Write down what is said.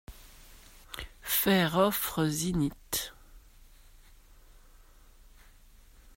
Faire offres init.